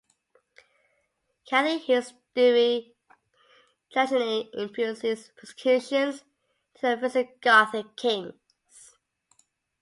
Catholic history traditionally imputes these persecutions to the Visigothic kings.